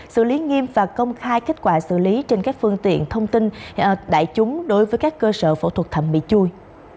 xử lý nghiêm và công khai kết quả xử lý trên các phương tiện thông tin đại chúng đối với các cơ sở phẫu thuật thẩm bị chui